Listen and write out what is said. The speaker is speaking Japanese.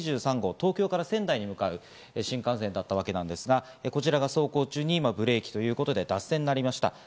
東京から仙台に向かう新幹線だったわけですが、こちらが走行中にブレーキということで、脱線となりました。